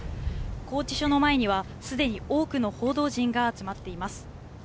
拘置所の前には、すでに多くの報道陣が集まっています。